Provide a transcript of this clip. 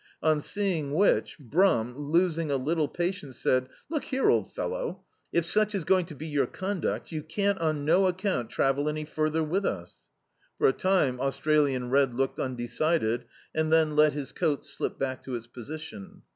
On seeing which Brum, losing a little [53l D,i.,.db, Google The Autobiography of a Super Tramp patience, said: — "Look here, old fellow, if such is going to be your conduct, you can't, on no account, travel any further with us." For a time Australian Red looked undecided, and then let his coat slip back to its position.